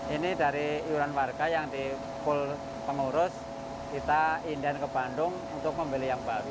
ini dari iuran warga yang di full pengurus kita inden ke bandung untuk membeli yang baru